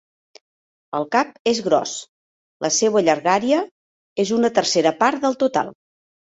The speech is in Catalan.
El cap és gros, la seua llargària és una tercera part del total.